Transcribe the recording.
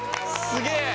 すげえ！